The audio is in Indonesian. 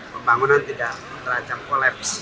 pembangunan tidak terancam kolaps